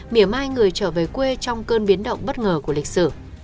mỉa mai người trở về quê trong cơn biến động bất ngờ của lịch sử